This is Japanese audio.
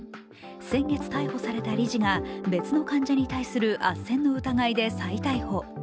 先月逮捕された理事が別の患者に対するあっせんの疑いで再逮捕。